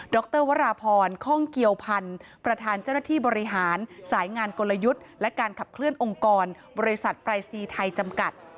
รวราพรคล่องเกียวพันธ์ประธานเจ้าหน้าที่บริหารสายงานกลยุทธ์และการขับเคลื่อองค์กรบริษัทปรายศนีย์ไทยจำกัด